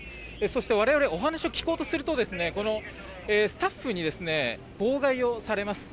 そして、我々お話を聞こうとするとこのスタッフに妨害をされます。